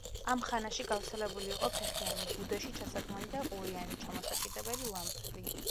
ამ ხანაში გავრცელებული იყო ფეხიანი, ბუდეში ჩასადგმელი და ყურიანი, ჩამოსაკიდებელი ლამპრები.